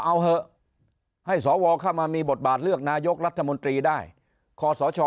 เอาเถอะให้สวเข้ามามีบทบาทเลือกนายกรัฐมนตรีได้คอสช